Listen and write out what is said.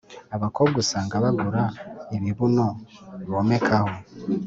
Abakobwa usanga bagura ibibuno bomekaho